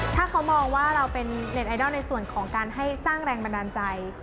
ถ้าเขามองว่าเราเป็นเน็ตไอดอลในส่วนของการให้สร้างแรงบันดาลใจ